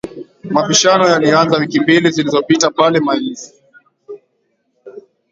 Mabishano yalianza wiki mbili zilizopita pale maelfu